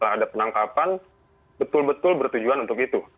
ada penangkapan betul betul bertujuan untuk itu